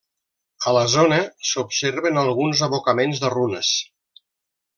A la zona s'observen alguns abocaments de runes.